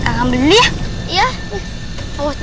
tapi kamu bisa bikin value dari ponwartis